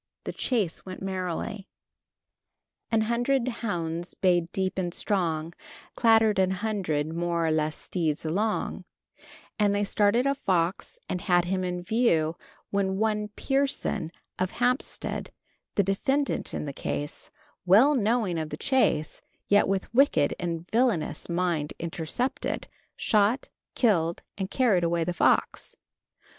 The chase went merrily An hundred hounds bayed deep and strong, Clattered an hundred [more or less] steeds along, and they started a fox and had him in view, when one Pierson, of Hempstead, the defendant in the case, well knowing of the chase, yet with wicked and felonious mind intercepted, shot, killed and carried away the fox.